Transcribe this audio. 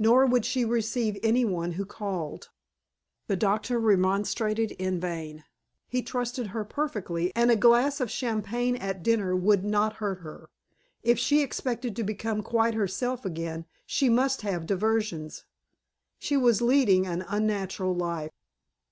Nor would she receive any one who called. The doctor remonstrated in vain. He trusted her perfectly and a glass of champagne at dinner would not hurt her. If she expected to become quite herself again she must have diversions. She was leading an unnatural life.